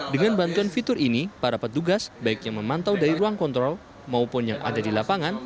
dengan bantuan fitur ini para petugas baiknya memantau dari ruang kontrol maupun yang ada di lapangan